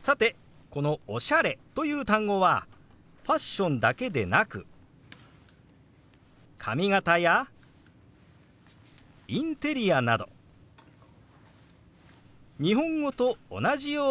さてこの「おしゃれ」という単語はファッションだけでなく髪形やインテリアなど日本語と同じような意味合いで使われますよ。